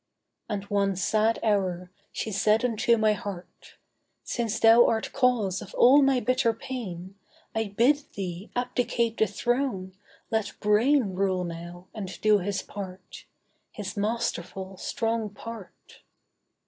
And one sad hour, she said unto her heart, 'Since thou art cause of all my bitter pain, I bid thee abdicate the throne: let brain Rule now, and do his part— His masterful, strong part.